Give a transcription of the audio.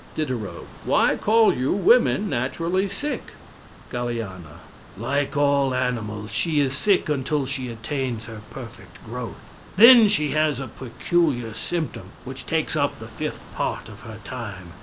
Diderot. Why call you woman naturally sick! Galiana. Like all animals, she is sick until she attains her perfect growth. Then she has a peculiar symptom which takes up the fifth part of her time.